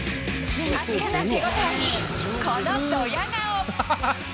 確かな手応えに、このドヤ顔。